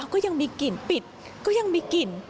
ก็ยังมีกลิ่นปิดก็ยังมีกลิ่น